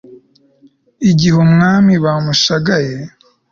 igihe umwami bamushagaye